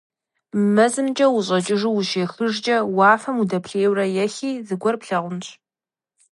Мы мэзымкӀэ ущӀэкӀыжу ущехыжкӀэ, уафэм удэплъейуэрэ ехи, зыгуэр плъагъунщ.